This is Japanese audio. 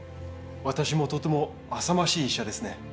私もとてもあさましい医者ですね。